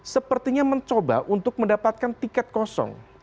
sepertinya mencoba untuk mendapatkan tiket kosong